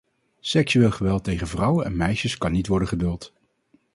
Seksueel geweld tegen vrouwen en meisjes kan niet worden geduld.